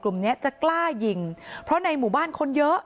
เนี้ยจะกล้ายิงเพราะในหมู่บ้านคนเยอะ